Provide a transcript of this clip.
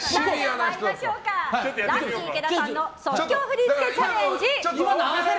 それではラッキィ池田さんの即興振り付けチャレンジ！